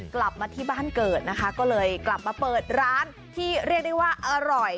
กลับมาที่บ้านเกิดนะคะก็เลยกลับมาเปิดร้านที่เรียกได้ว่าอร่อย